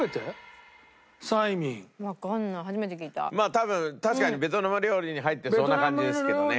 多分確かにベトナム料理に入ってそうな感じですけどね。